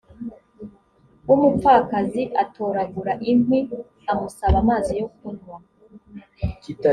w umupfakazi atoragura inkwi amusaba amazi yo kunywa